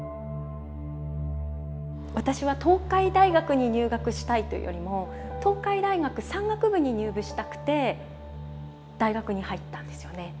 私は東海大学に入学したいというよりも東海大学山岳部に入部したくて大学に入ったんですよね。